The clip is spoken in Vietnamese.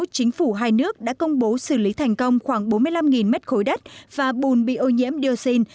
chính phủ hai nước đã công bố xử lý thành công khoảng bốn mươi năm mét khối đất và bùn bị ô nhiễm dioxin